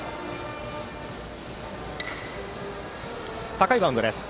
高いバウンドです。